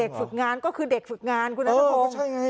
ฝึกงานก็คือเด็กฝึกงานคุณนัทพงศ์